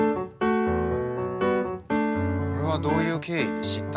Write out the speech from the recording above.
これはどういう経緯で知ったの？